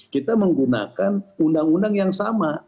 kita menggunakan undang undang yang sama